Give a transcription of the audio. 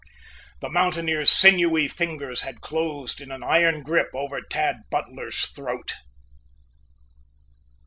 The mountaineer's sinewy fingers had closed in an iron grip over Tad Butler's throat.